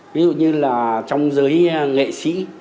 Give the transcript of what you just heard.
ví dụ như là trong giới nghệ sĩ